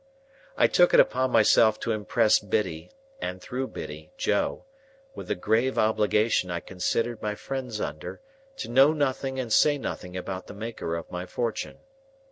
I took it upon myself to impress Biddy (and through Biddy, Joe) with the grave obligation I considered my friends under, to know nothing and say nothing about the maker of my fortune.